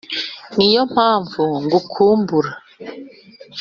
Niyo mpamvu ngukumbura